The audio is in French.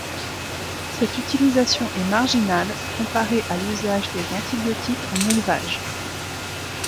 Cette utilisation est marginale comparée à l'usage des antibiotiques en élevage.